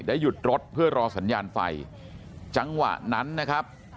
หยุดรถเพื่อรอสัญญาณไฟจังหวะนั้นนะครับ